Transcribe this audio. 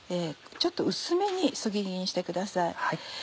ちょっと薄めにそぎ切りにしてください。